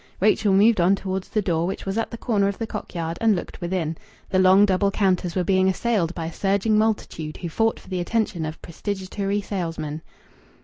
Rachel moved on towards the door, which was at the corner of the Cock yard, and looked within. The long double counters were being assailed by a surging multitude who fought for the attention of prestidigitatory salesmen.